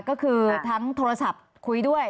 ก็คือทั้งโทรศัพท์คุยด้วย